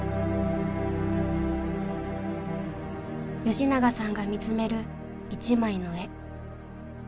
吉永さんが見つめる一枚の絵。